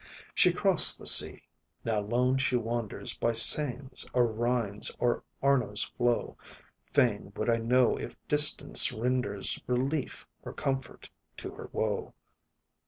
She crossed the sea now lone she wanders By Seine's, or Rhine's, or Arno's flow; Fain would I know if distance renders Relief or comfort to her woe.